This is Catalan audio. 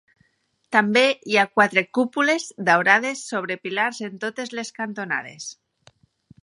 També hi ha quatre cúpules daurades sobre pilars en totes les cantonades.